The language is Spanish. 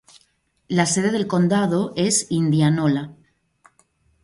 La sede del condado es Indianola.